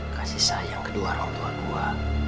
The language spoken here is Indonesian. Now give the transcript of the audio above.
kasih sayang kedua orang tua dua